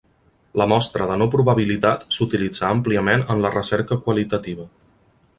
La mostra de no probabilitat s'utilitza àmpliament en la recerca qualitativa.